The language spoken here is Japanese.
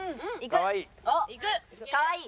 かわいい。